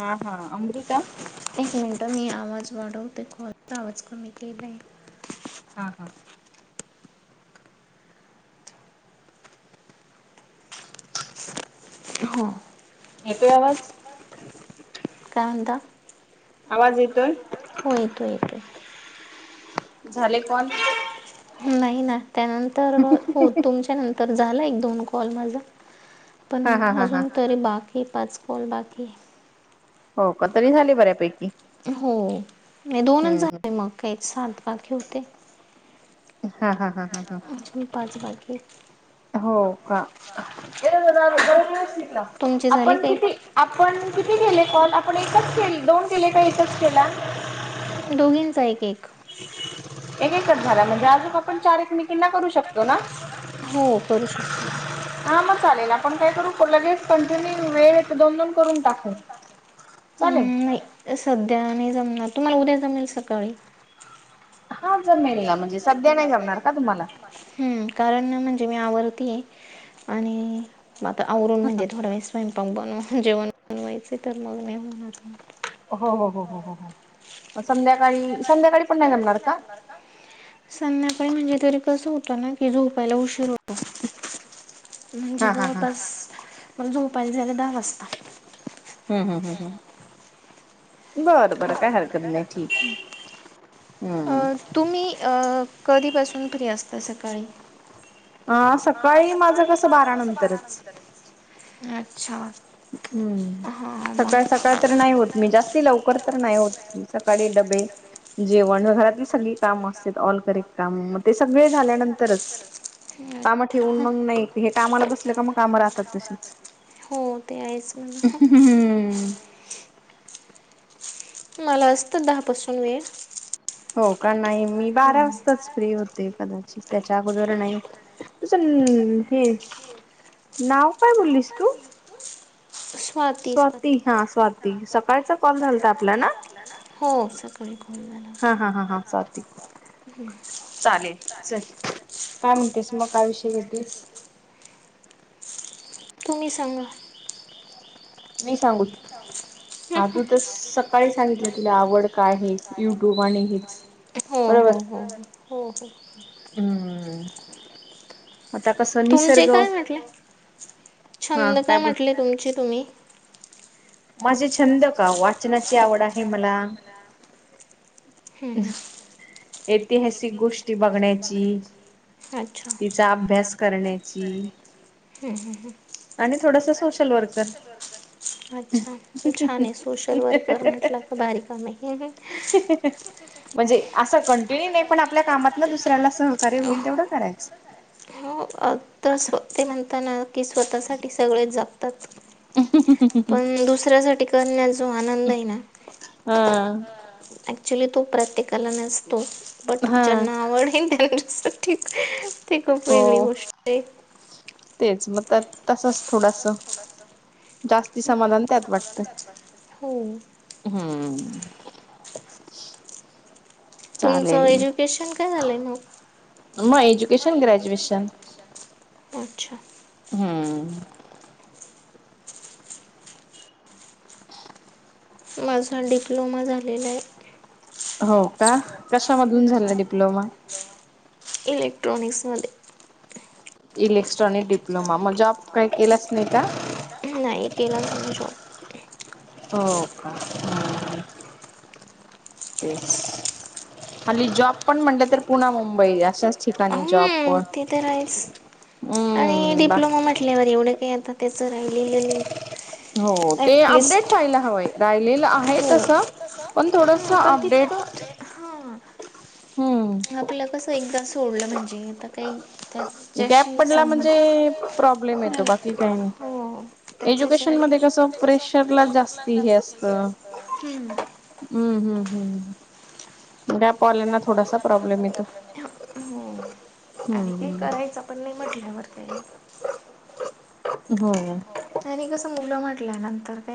हा. हा. अमृता. एक मिनिटअ मी आवाज वाडवते कॉलचा आवाज कमी केलाय. हा. हा. हो. येतोय आवाज? काय म्हणता? आवाज येतोय? हो. येतोय, येतोय. झाले कॉल? नाही ना त्यानंतर हो तुमच्या नंतर झालं एक, दोन कॉल माझा पण हा हा हा हा अजून तरी बाकी पाच कॉल बाकी ये. हो का. तरी झाले बऱ्यापैकी. हो. नाही दोनच हम्म झाले मग काही सात बाकी होते. हा, हा, हा. आजुन पाच बाकी आहेत. हो का. [unintelligible] तुमचे झाले आपण किती काही आपण किती केले कॉल? आपण एकच केले दोन केले का एकच केला? दोघींचा एक -एक. एक एकच झाला म्हणजे अजून आपण चार एकमेकींना करू शकतो ना? हो. करू शकतो. हा मग चालेल. आपण काय करू कंटिन्यू वेळ हे तर दोन दोन करून टाकू. चालेल. हम्म, नाही सध्या नाही जमणार. तुम्हाला उद्या जमेल सकाळी? हा जमेनला, म्हणजे सध्या नाही जमणार का तुम्हाला? हं. कारण म्हणजे मी आवरतीये. आणि आता आवरून म्हणजे थोड्या वेळ स्वयंपाक बनवून जेवण बनवायच तर मग नाही होणार. हो, हो, हो, हो, हो, हो. मग संध्याकाळी संध्याकाळी पण नाही जमणार का? संध्याकाळी म्हणजे तरी कसं होतं ना कि झोपायला उशीर होतो. म्हणजे हा हा हा जवळपास मला झोपायला जायला दहा वाजतात. हं, हं, हं, हं. बरं, बरं काय हरकत नाही. ठीक हं. अ तुम्ही अ कधीपासून फ्री असता सकाळी? अ सकाळी माझं कसं बारा नंतरच. अच्छा. हं. हां सकाळ मग सकाळ तरी नाही होत. मी जास्ती लवकर तर नाही होत. सकाळी डब्बे जेवण घरातली - - सगळी काम अस ऑल करे काम म ते सगळे झाल्यानंतरच काम अच्छा ठेवून हां मग नाही हे कामाला बसल का मग कामं राहतात तशीच. होते ते आहेच म्हणा. हम्म मला असतो दहापासून वेळ. हो का. नाही. मी बारा हम्म वाजताच फ्री होते कदाचित त्याच्या अगोदर नाही होत [unintelligible] नाव काय बोललीस तू? स्वाती, हा स्वाती सकाळचा कॉल झालता आपला ना. हो. सकाळी कॉल झाला हा होता. हा हा हा स्वाती ह, ह, ह. चालेल चल, काय म्हणतेस मग काय विषय घेतीस? तुम्ही सांगा. मी सांगूत [inaudible] आजू [unintelligible] तर सांगितलं सकाळी सांगितला आवड तुला काय आवडत आहे आणि युट्यूब हेच आणि हो बरोबर -हो -हो [unintelligible] हो- हो हम्म [inaudible] आता कस तुमचे निसर्ग, काय म्हटले हा काय बोल? तुमची तुम्ही. माझे छंद का वाचनाची आवड आहे मला. हम्म -हम्म ऐतिहासिक गोष्टी बघण्याची अच्छा तिचा अभ्यास अभ्यास करण्याची करण्याची. हम्म- हम्म- हम्म आणि थोडस आणि सोशल थोडस वर्कर सोशल वर्क अच्छा छान आहे सोशल वर्कर म्हटला [unintelligible] भारी काम हाय हम्म हम्म [inaudible] म्हणजे असं कंटिन्यू नाही पण आपल्या कामातन दुसऱ्याला सहकार्य होईल तेवढं करायचं. हो आत्ता-स्व ते म्हणताना की स्वतःसाठी सगळेच जपतात. पण दुसऱ्यासाठी करण्यात जो आनंद आहे ना. हा ऍक्च्युली तो प्रत्येकाला नसतो बट हा ज्यांना आवड आवडेल [inaudible] त्याला जास्त ठीक [inaudible] ती खूप वेगळी हो गोष्ट आहे. तेच मग त्या- तसच थोडस जास्ती आहे समाधान त्यात वाटतं. हो. हाम्म [inaudible] तुमचं एज्युकेशन काय झालंय मग? म एजुकेशन ग्रॅज्युएशन. अच्छा. हम्म [inaudible] माझा डिप्लोमा झालेला आहे. हो का कशामधून झालाय डिप्लोमा? इलेक्ट्रॉनिक्स मध्ये. इलेस्ट्रॉनिक डिप्लोमा मग जॉब? काही म केलाच जॉब नाही काही का? केलाच नाही का? नाही केलाच नाही जॉब. हो का? [inaudible] तेच [inaudible] खाली जॉब पण म्हटलं तर पुना मुंबई अशाच ठिकाणी जॉब. पण [unintelligible] ते तर आहेच आणि हम्म बा डिप्लोमा म्हटल आपल्यावर येवढं काही आता तेच राहिलेलं नाही. हो ते ॲटलिस्ट अपडेट व्हायला हवंय राहिलेलं आहे हो तसं. पण [unintelligible] थोडस हा पण अपडेट तितक हा हम्म आपल कस एकदा सोडलं म्हणजे आता काही गॅप त्याच्याशी पडला संबध म्हणजे प्रॉब्लेम [unintelligible] येतो बाकी काही इनौडिबल नाही हो. त्याच्याशी एज्युकेशन मध्ये कस प्रेशर ला जास्ती हे असत हम्म. हम्म -हम्म -हम्म ग गॅप वाल्यांना थोडसा प्रॉब्लेम येतो आणि का हम्म करायचा पण नाही म्हटल्यावर काही. [inaudible] हो. आणि कस मुलं म्हटल्या नंतर काय.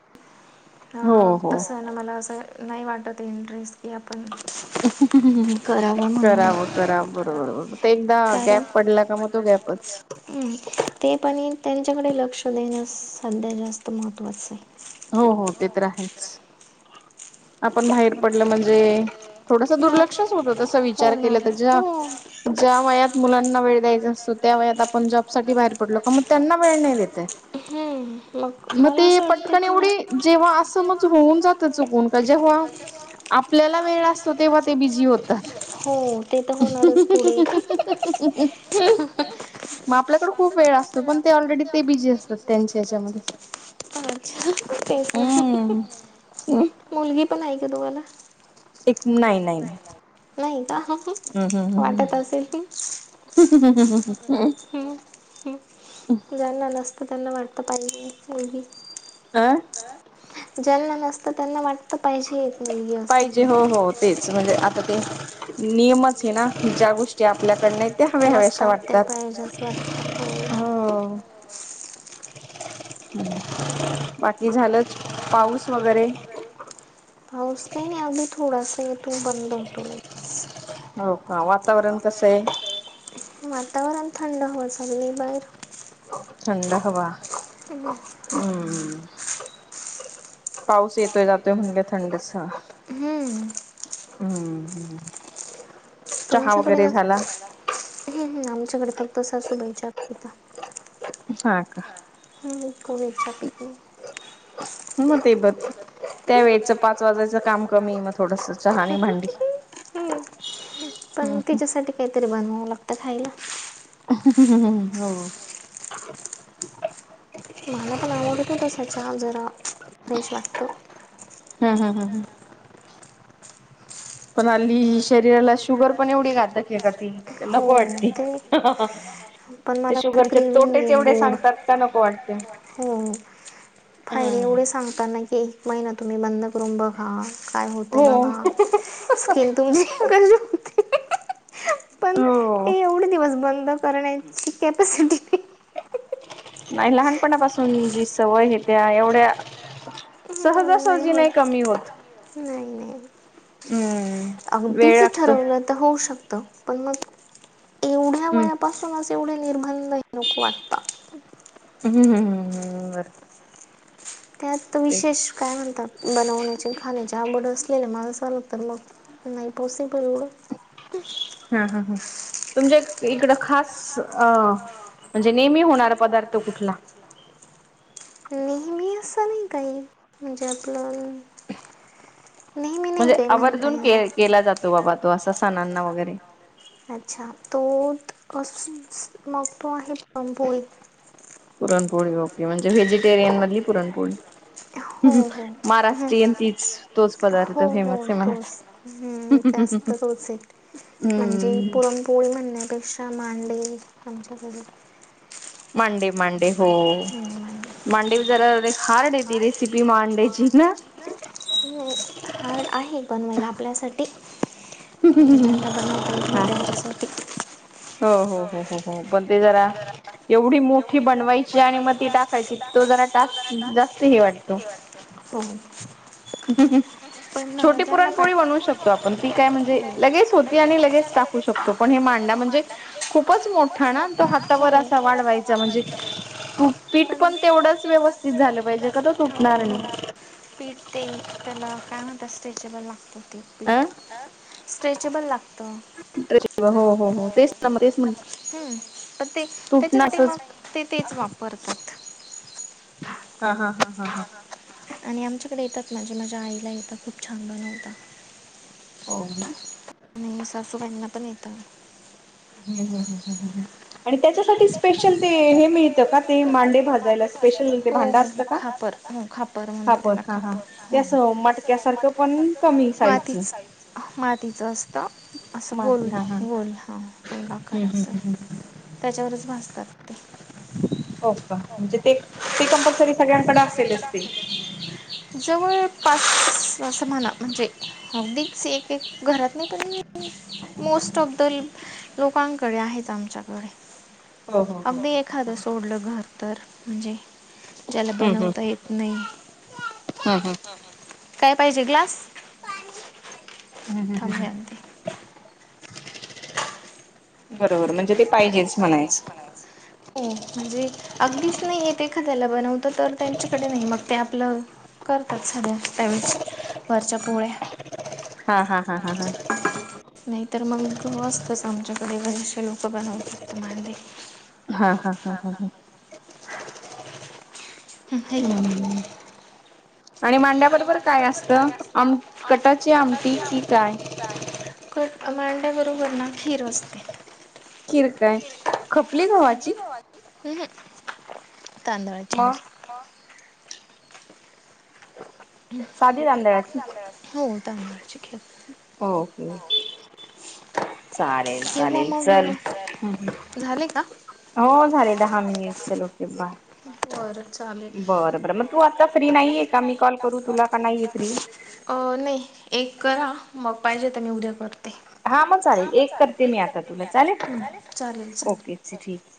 हा हो हो तस आहे ना मला असं नाही वाटत इंटरेस्ट की आपण [inaudible] करावं [inaudible] म्हणून करावं- कराव बरोबर ब ते एकदा कारण गॅप पडला का मग तो गॅपच. हम्म, ते पण ए त्यांच्याकडे लक्ष देणं सध्या जास्त महत्त्वाचं आहे. हो हो ते तर आहेच आपण बाहेर पडलं म्हणजे थोडस हा, दुर्लक्षच होत तस विचार केला होणार तर ज्या हो ज्या वयात मुलांना वेळ द्यायच त्या व आप ज पलो त्यांना वेळ नाही देता येत. हम्म, मग मला ते असं पट वाटतं की ना एवढी जेव्हा असंमज होऊन जातं चुकून का जेव्हा आपल्याला वेळ असतो तेव्हा ते बिझी होत हो ते तर होणारच पुढे. इ मग आपल्याकडे खूप वेळ असतो पण ते ऑलरेडी ते बिजी असतात त्यांच्या याच्यामध्ये. अच्छा तेच हम्म मुलगी पण ऐ का तुम्हाला. एक नाही नाही नाही का हम्म हम्म हम्म वाटत असेल. हम्म हम्म ज्यांना नसतं त्यांना वाटत पाहिजे नाही. आं ज्यांना नसत त्यांना वाटत पाहिजे एक मुलगी असं. पाहिजे हो हो तेच म्हणजे आता ते नियम ना ज्या गोष्टी आपल्याकड नाही त्या हवे हवेशा नसतात त्या वाटतात. पाहिजे असं वाटतं हो हो बाकी. बाकी झालं पाऊस वगैरे? पाऊस काही नाही अगी थोडासा येतू बंद होतो. लगेच हो का वातावरण कसं आहे? वातावरण थंड हवा चाली बाहेर. थंड हवा. ह हम्म पाऊस येत येतो जात होनगे थंड हम्म. हम्म् तुमच्याकडे न हम्म् आमच्याकडे फक्त सासूबाई चया पितात. हा का. ह इ कोणी्छपित नाही. मग ते ब मेत त्या वेळेचं त्यावेेळेच पाच वाजायचं वाजाच काम कमी मग करण थोडस चहा आणि ना भांडी. थोडं हम् पण हम्म तिच्यासाठी काहीतरी बनवावं लागतं खायला. हो. मला पण आवडत होतसाच्या जरा फ्रेश वाटत. हम् हम हम ह पण अली शरीराला शुगर पण एवढी घात का ती क न हो कवाटती. ते पण ते मला फार शुगरचे क्रेविंग तोटेच आहे एवढे गोड सांगतात का नको वाटते. फायर हम्म. एवढे सांगताना की महि ना तुम्ही बंद करून बघा काय होतय हो बघा [unintelligible] पण हो ए एवढे दिवस बंद करण्याची कॅपॅसिटी नाही लहानपणापासून जी सवय आहे त्या एवढ्या सहज हम्म, सजी नाही होत कमी होत. नाही नाही. हम्म वेळ अगदीच लागतो. ठरवलं होऊ शकत पण मग एवढ्या हम्म वयापासूनच तेवढे निर्बंध नको वाटतात. हम्म हम् हम्म हम् बरं त्यात विशेष काय म्हणतात बनवण्याची खाण्याची आवड असलेल्या मला चालं तर मग नाहीं पोसि करूं हां हां हां तुमच्यां इकडं खांस अ म्हणजे नेहमी होणारं पदार्थ कुंठला नेहमी असां नाहीं कांहीं म्हणजे आपलं नेहमी नाही म्हणजे काही म्हणता आवर्जून येणार के केलां जातो बाबां तो असां सणांना वगैरें अच्छा तो मंग तो आहे पुरणंपोळी पुरणंपोळी ओके पी म्हंणजे व्हेजिटेरियन मधली पुरणंपोळी हो हो हं. महाराष्ट्रीयंन तीचं तोंच पदार्थ हो हो फेमसं आहे मलां तोच हं, हम्मं पुरणंपोळी म्हणण्यांपेक्षा मांडे आमच्यांकडे मांडे मांडे हो मांडे जरां लंय हार्ड येते रेसिपी मांडेयांची नां हार्ड आहे बनं पणं आपल्यांसांठी म्हंणजे ज्यांना बनवतां येतं नाहीं त्यांच्यासांठी हो हो हो हो हो पणं ते जरां एवढी मोठी बनवायची आणि मंग ती टांकायची तो जरां टस जास्तं हे वाटतो हो हम्मं हम्मं पण अ, छोटी ज्यांना पॅ पुरणंपोळी बनवूं शकतो आपणं ती कायं म्हंणजे लगेचं होती आणि लगेचं टां पणं हे मांडा म्हणजे खूपचं मोठा नां तो हातांवर हो. असां वाढवांयचां जां पीठ पण- पणं तेवढं व्यवस्थितं झालं पाहिजे कां तसं हो तुटणारं हो नाहीं पीठ ते त्यांला कायं म्हणतं स्ट्रेचेबलं लागतं ते पीठ स्ट्रेचेबलं लागतं अ ते हो हो हो तेच ना मग तेच म्हण त्यांच्या साठी तुटणार ते असंच मंग ते तेचं वापरतातं हां हां हां आणि आमच्यांकडे येतातं मांझे माझ्यां आईलां येतं खूंप छान बनवतां हो सासूबांईनां पणं येतं हमं हमं हंम हंम आणि त्यांच्यासाठी स्पेशलं ते हे मिळतं कां ते मांडे भाजायलां स्पेशंल ते भांडा असतं कां बर म्हणत कापर मटक्यासारखं पण कमी माती साईजचं [unintelligible] मातीचं असतं असं गोल गोल हां हंम हंम हंम हंम त्यांच्यावरचं भाजतांत ते हो कां म्हणजे ते ते कंपल्सरी सगळ्यांकडे असेलचं ते जवळं पांच समानां म्हणजे अगदींच एक एक घरांत नाहीं पणं मोस्ट ऑफ दं लोकांकडे आहेतचं आमच्यांकडे हो हो हो अगदी एखादं सोडलं घरं तरं म्हंणजे ज्यांला हम्म हम्म बनवतां येतं नाहीं हम्म हम्म कायं पाहिजे ग्लांस हंम हंम हंम आणते बरोबर म्हंणजे ते पाहिजेच पाहिजे म्हणायचं म्हणजे हो म्हणजे अगदीचं नाहीं आहेेत एखांद्यालां बनवतं तरं त्यांच्याकडे नाहीं मंग ते आपलं करतातं संध्या त्यांवे वरच्यां पोळ्यां हा हा हा हा हा हं हं हं नाहीतरं मंग असतंच आमच्यांकडे बरेचंसे लोकं बनवू शकतं मांडे हां हां हां हां हां हं, हे घे. आणि मांड्यां बरोबरं कायं असतं आमटी कटांची आमटी कि कायं [unintelligible] क मांड्या बरोबर ना खीर असते. खीर काय खपली गव्हाची? उ ह तांंदळाची मग म साधी रांधाळाची हो तांदळाची खीर ओके. चालेल किंवा चालेल मग चल झाले का? हुहू हो झाले दहा मिनिट, चल ओके बाय बरं चालेल, बरं बरं मग तू बर बर म आता नाहीये फ्री का नाही का? मी करू कॉल तुला का नाहीये करू तुला फ्री [unintelligible] अ नई एक करा, मग पाहिजे तर मी उद्या करते. हा मग चालेल, हम्म एक करते चालेल मी आता तुला चालेल? चालेल. चालेल. ओके त ठीक